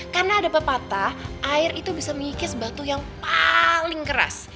karena ada pepatah air itu bisa mengikis batu yang paling keras